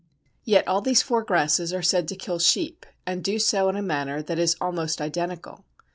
Yet all these four grasses are said to kill sheep, and do so in a manner that is almost identical.